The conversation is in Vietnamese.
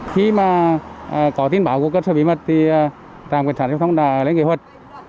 khi mà có tin báo của cơ sở bí mật thì trạm cảnh sát giao thông đã lên kế hoạch